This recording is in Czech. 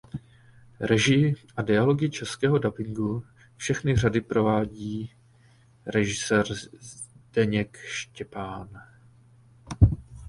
Režii a dialogy českého dabingu všechny řady provádí režisér Zdeněk Štěpán.